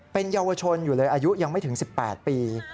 เป็นเยาวชนอยู่เลยอายุยังไม่ถึง๑๘ปี